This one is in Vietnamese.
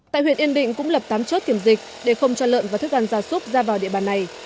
tại huyện yên định cũng lập tám chốt kiểm dịch để không cho lợn và thức ăn gia súc ra vào địa bàn này